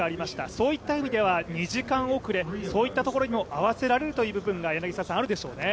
そういった意味では２時間遅れ、そういったところにも合わせられるという部分があるでしょうね。